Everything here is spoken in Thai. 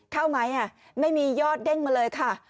เข้าไหมไม่มียอดเด้งมาเลยค่ะ